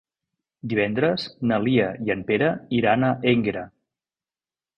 Divendres na Lia i en Pere iran a Énguera.